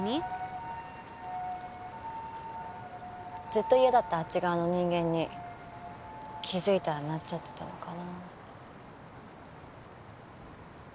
ずっと嫌だったあっち側の人間に気づいたらなっちゃってたのかなって。